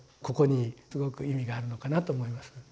ここにすごく意味があるのかなと思います。